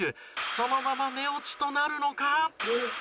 そのまま寝落ちとなるのか？